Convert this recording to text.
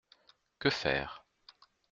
Que faire ?